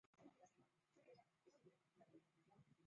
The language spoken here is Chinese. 高水寺斯波氏当主。